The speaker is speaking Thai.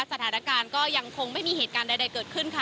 สถานการณ์ก็ยังคงไม่มีเหตุการณ์ใดเกิดขึ้นค่ะ